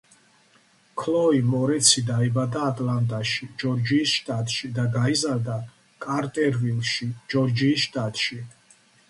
ქლოი მორეცი დაიბადა ატლანტაში, ჯორჯიის შტატში და გაიზარდა კარტერვილში, ჯორჯიის შტატში.